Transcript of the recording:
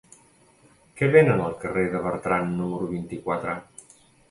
Què venen al carrer de Bertran número vint-i-quatre?